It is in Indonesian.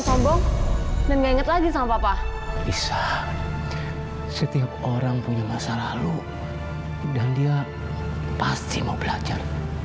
sombong dan ingat lagi sama papa bisa setiap orang punya masa lalu dan dia pasti mau belajar